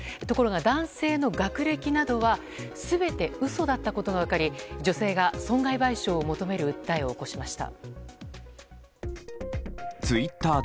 ところが、男性の学歴などは全て嘘だったことが分かり女性が損害賠償を求める訴えを起こしました。